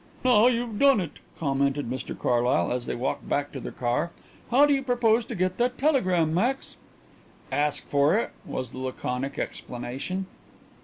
"Now you've done it," commented Mr Carlyle, as they walked back to their car. "How do you propose to get that telegram, Max?" "Ask for it," was the laconic explanation.